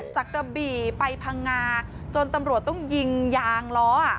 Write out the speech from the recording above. กระบี่ไปพังงาจนตำรวจต้องยิงยางล้อ